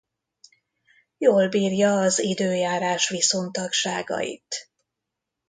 Jól bírja az időjárás viszontagságait.